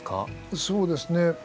そうですね。